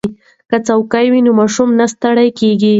که څوکۍ وي نو ماشوم نه ستړی کیږي.